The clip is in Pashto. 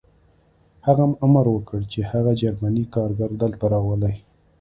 هغه امر وکړ چې هغه جرمنی کارګر دلته راولئ